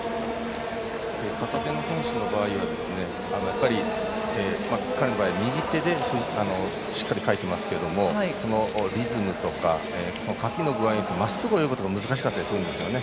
片手の選手の場合は彼の場合、右手でしっかりかいてますけどもリズムとか、かきの具合でまっすぐ泳ぐのが難しかったりするんですよね。